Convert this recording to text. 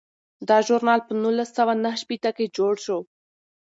دا ژورنال په نولس سوه نهه شپیته کې جوړ شو.